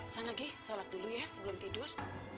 sana geh sholat dulu ya sebelum tidur